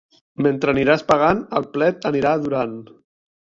Mentre aniràs pagant, el plet anirà durant.